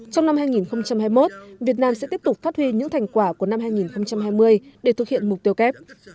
trong năm hai nghìn hai mươi một việt nam sẽ tiếp tục phát huy những thành quả của năm hai nghìn hai mươi để thực hiện mục tiêu kép